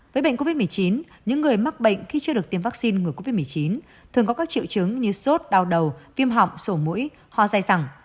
với bệnh covid một mươi chín những người mắc bệnh khi chưa được tiêm vaccine ngừa covid một mươi chín thường có các triệu chứng như sốt đau đầu viêm họng sổ mũi ho dài dẳng